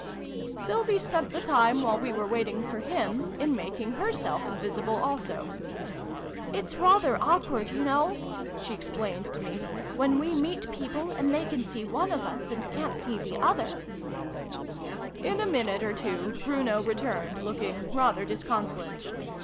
Sylvie spent the time, while we were waiting for him, in making herself visible also. '' It's rather awkward, you know," she explained to me, "when we meet people, and they can see one of us, and ca'n't see the other !" 54 SYLVIE AND BRUNO CONCLUDED. In a minute or two Bruno returned, looking rather disconsolate.